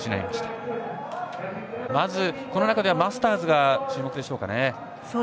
まず、この中ではマスターズが注目でしょうかね。